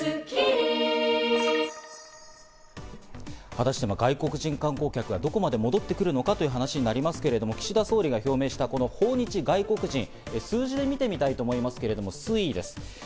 果たして外国人観光客はどこまで戻ってくるのかという話になりますけど、岸田総理が表明した、この訪日外国人、数字で見てみたいと思うんですが推移です。